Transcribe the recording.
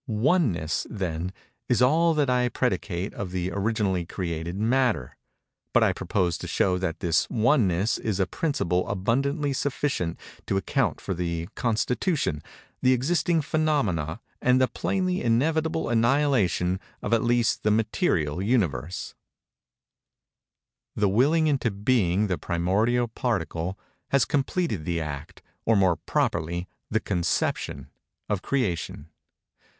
Oneness, then, is all that I predicate of the originally created Matter; but I propose to show that this _Oneness is a principle abundantly sufficient to account for the constitution, the existing phænomena and the plainly inevitable annihilation of at least the material Universe_. The willing into being the primordial particle, has completed the act, or more properly the conception, of Creation.